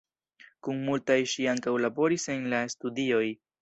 Kun multaj ŝi ankaŭ laboris en la studioj.